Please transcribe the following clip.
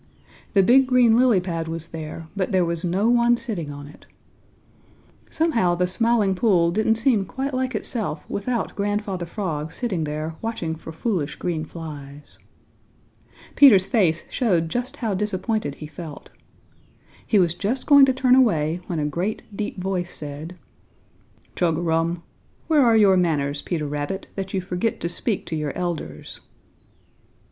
The big green lily pad was there, but there was no one sitting on it. Somehow the Smiling Pool didn't seem quite like itself without Grandfather Frog sitting there watching for foolish green flies. Peter's face showed just how disappointed he felt. He was just going to turn away when a great, deep voice said: "Chug a rum! Where are your manners, Peter Rabbit, that you forget to speak to your elders?"